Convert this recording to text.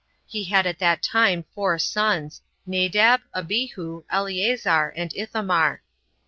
He had at that time four sons, Nadab, Abihu, Eleazar, and Ithamar.